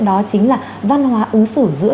đó chính là văn hóa ứng xử giữa